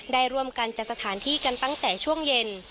ได้ร่วมกันจัดสถานที่กันตั้งแต่ช่วงเย็น